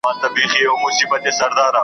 کچالو په بېلابېلو خوړو کې کارېږي.